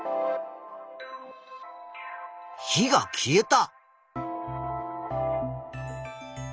火が消えた。